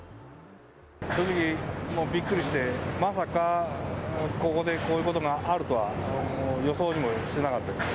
正直、もうびっくりして、まさか、ここでこういうことがあるとは予想にもしてなかったですね。